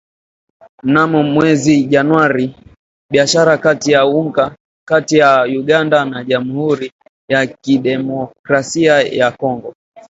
Mnamo mwezi Januari biashara kati ya Uganda na jamhuri ya kidemokrasia ya Kongo